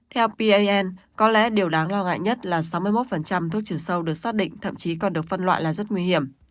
theo pan có lẽ điều đáng lo ngại nhất là sáu mươi một thuốc trừ sâu được xác định thậm chí còn được phân loại là rất nguy hiểm